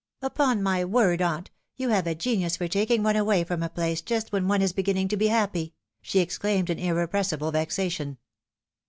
" Upon my word, aunt, you have a genius for taking one away from a place just when one is beginning to be happy I" she exclaimed in irrepressible vexation.